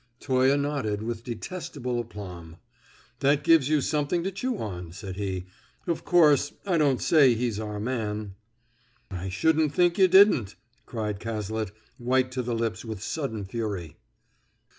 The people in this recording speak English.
Toye nodded with detestable aplomb. "That gives you something to chew on," said he. "Of course, I don't say he's our man " "I should think you didn't!" cried Cazalet, white to the lips with sudden fury.